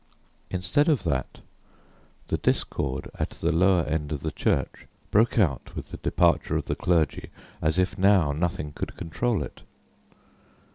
Instead of that, the discord at the lower end of the church broke out with the departure of the clergy, as if now nothing could control it.